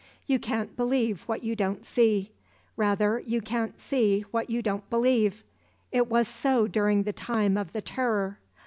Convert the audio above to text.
You can't believe what you don't see: rather, you can't see what you don't believe. It was so during the time of the Terror.